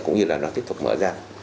cũng như là nó tiếp tục mở ra